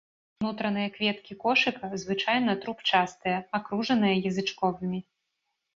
Унутраныя кветкі кошыка звычайна трубчастыя, акружаныя язычковымі.